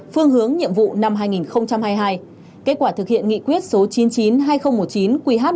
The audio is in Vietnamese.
phương hướng nhiệm vụ năm hai nghìn hai mươi hai kết quả thực hiện nghị quyết số chín trăm chín mươi hai nghìn một mươi chín qh một mươi bốn